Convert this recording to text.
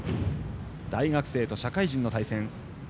大学生と社会人の対戦。